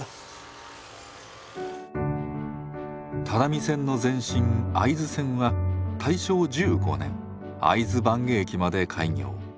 只見線の前身会津線は大正１５年会津坂下駅まで開業。